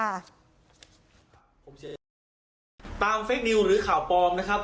ตามเฟซบุ๊กส่วนตัวของสิบตำโรตรีกิจติศักดิ์หรือข่าวปลอมนะครับ